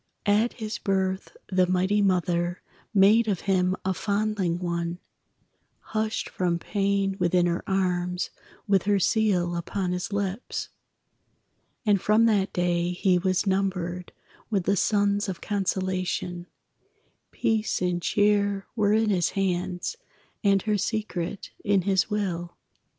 At his birth the mighty Mother Made of him a fondling one, Hushed from pain within her arms, With her seal upon his lips; And from that day he was numbered With the sons of consolation, Peace and cheer were in his hands, And her secret in his will.